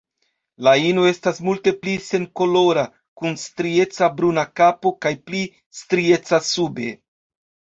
La ino estas multe pli senkolora, kun strieca bruna kapo kaj pli strieca sube.